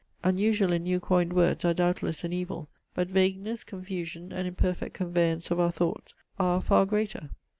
Unusual and new coined words are doubtless an evil; but vagueness, confusion, and imperfect conveyance of our thoughts, are a far greater.